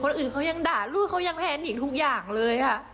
คนอื่นเขายังด่าลูกเขายังแทนอีกทุกอย่างเลยค่ะ